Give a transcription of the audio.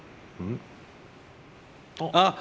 あっ！